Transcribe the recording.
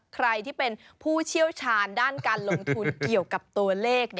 ใครที่เป็นผู้เชี่ยวชาญด้านการลงทุนเกี่ยวกับตัวเลข